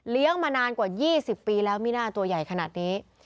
เลี้ยงมานานกว่ายี่สิบปีแล้วมีหน้าตัวใหญ่ขนาดนี้